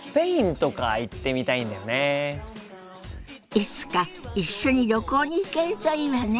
いつか一緒に旅行に行けるといいわね。